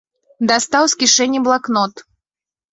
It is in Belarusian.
Дастаў з кішэні блакнот.